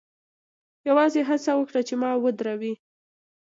یوازې هڅه وکړه چې ما ودروې